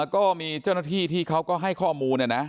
ก็มีเจ้าหน้าที่ที่เขาก็ให้ข้อมูลเนี่ยนะ